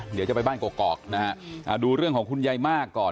เดี๋ยวจะไปบ้านกอกนะฮะดูเรื่องของคุณยายมากก่อน